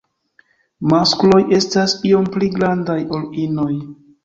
Maskloj estas iom pli grandaj ol inoj.